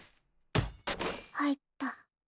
入った。